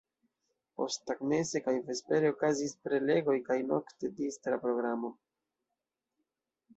Posttagmeze kaj vespere okazis prelegoj kaj nokte distra programo.